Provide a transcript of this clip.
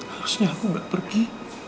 harusnya aku gak pergi